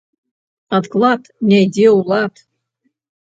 Адклад не ідзе ў лад